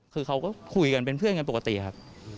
คือเขาก็คุยกันเป็นเพื่อนกันปกติครับ